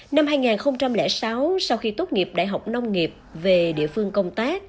năm hai nghìn sáu sau khi tốt nghiệp đại học nông nghiệp về địa phương công tác